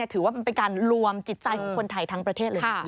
ถือว่าเป็นการรวมจิตใจของคนไทยทั้งประเทศเลย